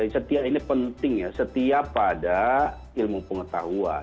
setiap ini penting ya setia pada ilmu pengetahuan